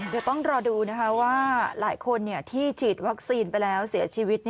เดี๋ยวต้องรอดูนะคะว่าหลายคนที่ฉีดวัคซีนไปแล้วเสียชีวิต